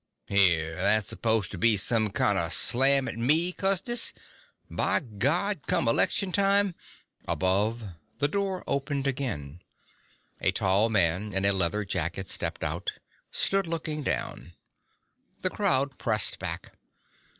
"Here, that s'posed to be some kind of slam at me, Custis? By God, come election time...." Above, the door opened again. A tall man in a leather jacket stepped out, stood looking down. The crowd pressed back.